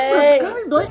berat sekali doi